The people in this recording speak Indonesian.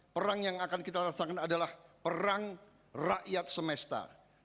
perang yang akan kita rasakan adalah perang rakyat semesta